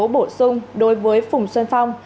bổ sung đối với phùng xuân phong